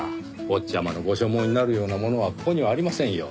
坊ちゃまのご所望になるようなものはここにはありませんよ。